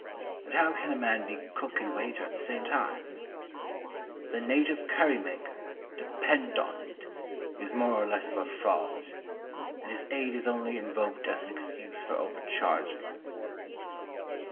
And how can a man be cook and waiter at the same time? The "native curry maker," depend on it, is more or less of a fraud; and his aid is only invoked as an excuse for overcharging.